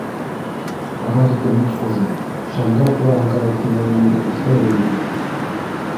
Радик Өмөтҡужин: Шәмдәр тураһындағы кинәйәне иҫләйһегеҙҙер.